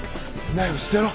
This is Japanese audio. ナイフを捨てろ。